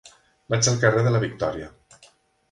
Vaig al carrer de la Victòria.